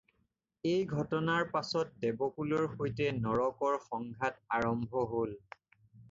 এই ঘটনাৰ পাছত দেৱকুলৰ সৈতে নৰকৰ সংঘাত আৰম্ভ হ'ল।